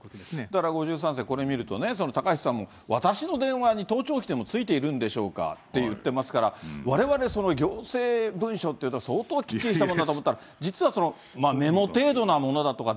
だから５３世、これ見るとね、高市さんも、私の電話に盗聴器でもついているんでしょうかって言ってましたから、われわれ、行政文書っていうと、相当、きっちりしたものだと思ったら、実はメモ程度なものだとか、